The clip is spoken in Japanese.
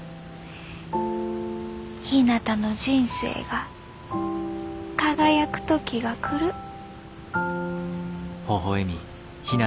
ひなたの人生が輝く時が来る。